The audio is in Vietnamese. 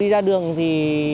đi ra đường thì